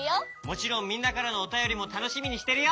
もちろんみんなからのおたよりもたのしみにしてるよ！